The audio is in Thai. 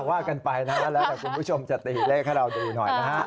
ว่ากันไปนะแล้วแต่คุณผู้ชมจะตีเลขให้เราดูหน่อยนะฮะ